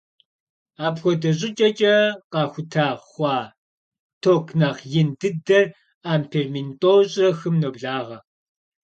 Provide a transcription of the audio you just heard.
Апхуэдэ щӏыкӏэкӏэ къахута хъуа ток нэхъ ин дыдэр ампер мин тӏощӏрэ хым ноблагъэ.